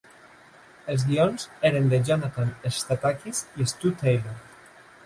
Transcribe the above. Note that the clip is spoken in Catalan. Els guions eren de Jonathan Stathakis i Stu Taylor.